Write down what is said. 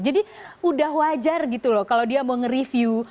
jadi udah wajar gitu loh kalau dia mau nge review